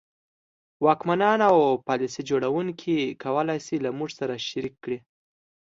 واکمنان او پالیسي جوړوونکي کولای شي له موږ سره شریک کړي.